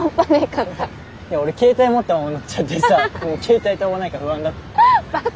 いや俺携帯持ったまま乗っちゃってさ携帯飛ばないか不安だった。